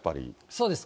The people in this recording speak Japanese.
そうです。